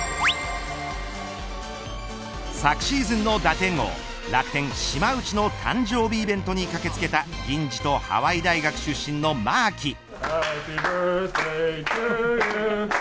昨シーズンの打点王楽天、島内の誕生日イベントに駆け付けた銀次とハワイ大学出身のマーキ。